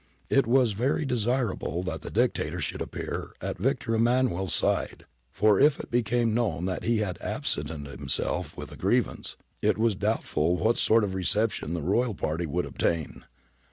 It was very desir able that the Dictator should appear at Victor Emman uel's side, for if it became known that he had absented himself with a grievance, it was doubtful what sort of reception the Royal party would obtain.